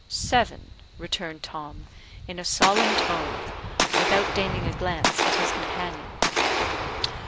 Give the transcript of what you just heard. "Seven," returned Tom, in a solemn tone, without deigning a glance at his companion.